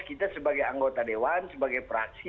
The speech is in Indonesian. kita sebagai anggota dewan sebagai praksi